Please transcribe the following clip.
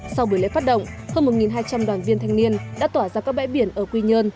sau buổi lễ phát động hơn một hai trăm linh đoàn viên thanh niên đã tỏa ra các bãi biển ở quy nhơn